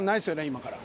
今から。